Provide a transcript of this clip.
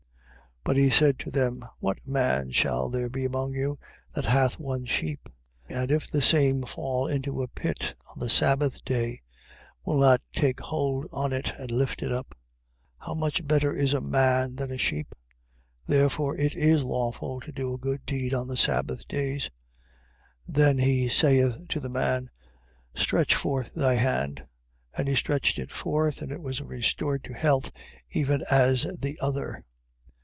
12:11. But he said to them: What man shall there be among you, that hath one sheep: and if the same fall into a pit on the sabbath day, will he not take hold on it and lift it up? 12:12. How much better is a man than a sheep? Therefore it is lawful to do a good deed on the sabbath days. 12:13. Then he saith to the man: Stretch forth thy hand; and he stretched it forth, and it was restored to health even as the other.